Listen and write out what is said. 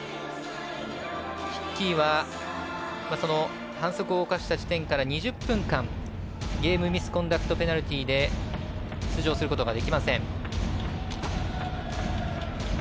ヒッキーは反則を犯した時点から２０分間ゲームミスコンダクトペナルティーで出場することができません。